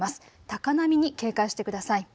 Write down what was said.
高波に警戒してください。